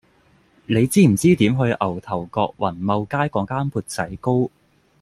你知唔知點去牛頭角宏茂街嗰間缽仔糕